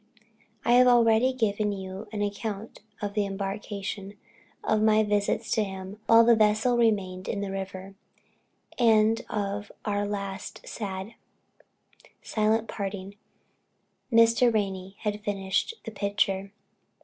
I have already given you an account of the embarkation, of my visits to him while the vessel remained in the river, and of our last sad, silent parting; and Mr. Ranney has finished the picture.